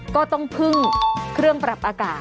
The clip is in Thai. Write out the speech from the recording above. ก็ต้องพึ่งเครื่องปรับอากาศ